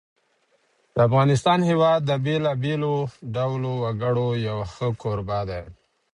د افغانستان هېواد د بېلابېلو ډولو وګړو یو ښه کوربه دی.